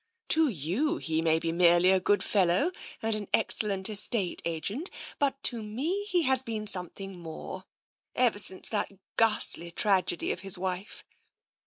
To you he may be merely a good fellow, and an excellent estate agent, but to me he has been something more ever since that ghastly tragedy of his wife.